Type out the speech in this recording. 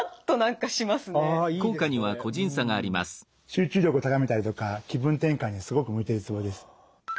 集中力を高めたりとか気分転換にすごく向いてるツボです。